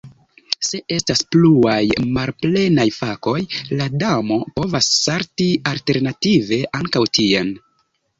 Se estas pluaj malplenaj fakoj, la damo povas salti alternative ankaŭ tien.